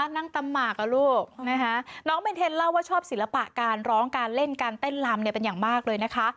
นั่งตำหมากกับลูกนะคะน้องเบนเทนเล่าว่าชอบศิลปะการร้องการเล่นการเต้นลำเนี่ยเป็นอย่างมากเลยนะคะ